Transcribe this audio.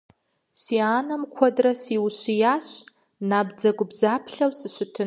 Си анэм куэдрэ сиущиящ набдзэгубдзаплъэу сыщытыну.